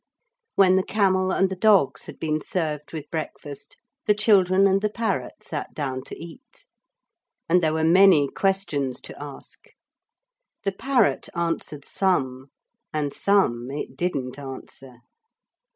When the camel and the dogs had been served with breakfast, the children and the parrot sat down to eat. And there were many questions to ask. The parrot answered some, and some it didn't answer.